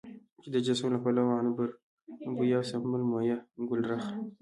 چې د جسم له پلوه عنبربويه، سنبل مويه، ګلرخه،